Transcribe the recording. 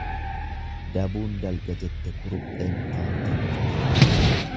Dabuun dalga jette kurupheen utaaltee kuftee.